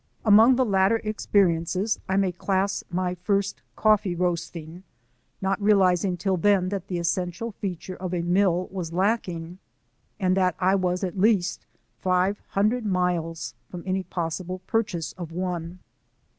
Among the latter experiences I may class my first coffee roasting, not realizing till then that the essential feature of a mill was lacking, and that I was at least five hundred miles from any possible purchase of one.